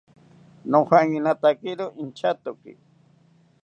Nojankinatakiro inchatoki